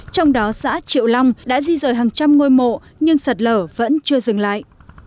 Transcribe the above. trong đó xã triệu long đã di rời hàng trăm ngôi mộ nhưng sạt lở vẫn chưa dừng lại